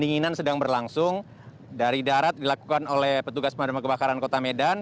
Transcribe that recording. dinginan sedang berlangsung dari darat dilakukan oleh petugas pemadam kebakaran kota medan